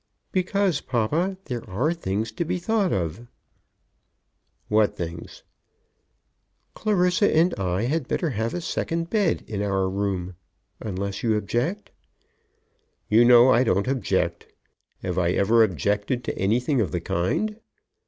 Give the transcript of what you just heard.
"Because, papa, there are things to be thought of." "What things?" "Clarissa and I had better have a second bed in our room, unless you object." "You know I don't object. Have I ever objected to anything of the kind?"